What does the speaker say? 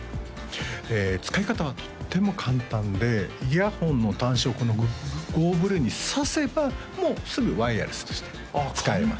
使い方はとっても簡単でイヤホンの端子をこのＧＯｂｌｕに挿せばもうすぐワイヤレスとして使えます